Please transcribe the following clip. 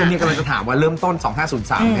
ตรงนี้กำลังจะถามว่าเริ่มต้นสองห้าศูนย์สาม